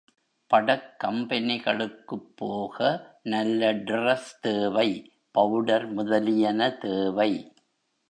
படக் கம்பெனிகளுக்குப் போக நல்ல டிரெஸ் தேவை, பவுடர் முதலியன தேவை.